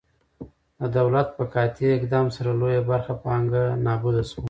د دولت په قاطع اقدام سره لویه برخه پانګه نابوده شوه.